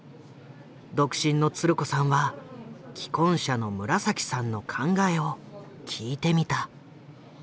独身のつる子さんは既婚者の紫さんの考えを聞いてみた。